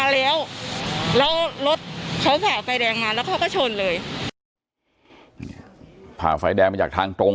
เลยผ่าไฟแดงจากทางตรง